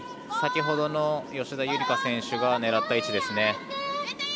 先ほどの吉田夕梨花選手が狙った位置ですね。